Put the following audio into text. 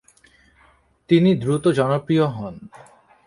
তিনি দ্রুত জনপ্রিয় হন।